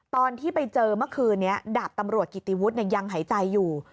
ตอนที่ไปเจอเมื่อคืนนี้ดาบตำรวจกิติวุฒิยังหายใจอยู่